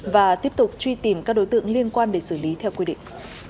và tiếp tục truy tìm các đối tượng liên quan để xử lý theo quy định